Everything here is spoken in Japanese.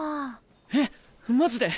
えっマジで？